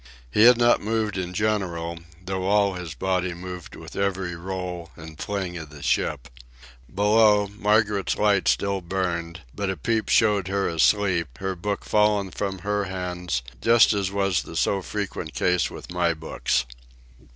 He had not moved in general, though all his body moved with every roll and fling of the ship. Below, Margaret's light still burned, but a peep showed her asleep, her book fallen from her hands just as was the so frequent case with my books.